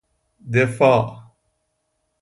دفاع